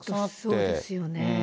そうですよね。